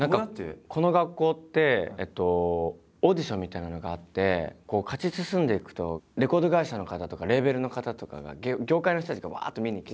この学校ってオーディションみたいなのがあって勝ち進んでいくとレコード会社の方とかレーベルの方とかが業界の人たちがわっと見にきて。